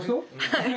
はい。